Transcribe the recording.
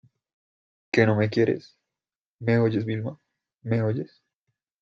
que no me quieres! ¿ me oyes, Vilma? ¿ me oyes ?